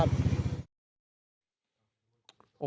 มันไม่มีเหลือ